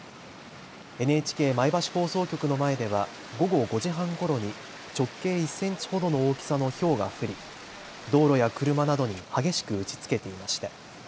ＮＨＫ前橋放送局の前では午後５時半ごろに直径１センチほどの大きさのひょうが降り道路や車などに激しく打ちつけていました。